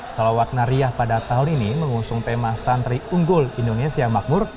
salawat nariah pada tahun ini mengusung tema santri unggul indonesia makmur